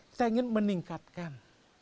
kita ingin meningkatkan